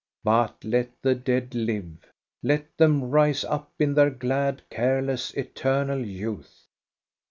But let the dead live, let them rise up in their glad, careless, eternal youth